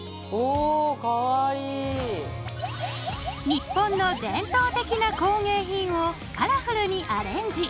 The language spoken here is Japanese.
日本の伝統的な工芸品をカラフルにアレンジ。